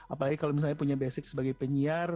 apalagi kalau misalnya punya basic sebagai penyiar